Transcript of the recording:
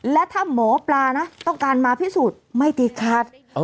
และถ้าหมอปลานะต้องการมาพิสูจน์ไม่ติดขัด